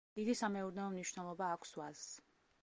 დიდი სამეურნეო მნიშვნელობა აქვს ვაზს.